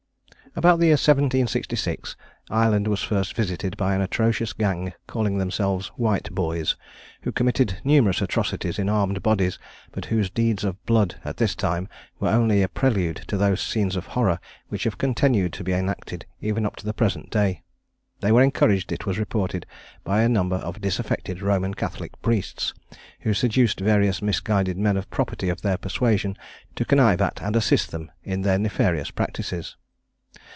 About the year 1766 Ireland was first visited by an atrocious gang, calling themselves White Boys, who committed numerous atrocities in armed bodies, but whose deeds of blood at this time were only a prelude to those scenes of horror which have continued to be enacted even up to the present day. They were encouraged, it was reported, by a number of disaffected Roman Catholic priests, who seduced various misguided men of property of their persuasion to connive at and assist them in their nefarious practices.